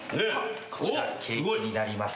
こちらケーキになります。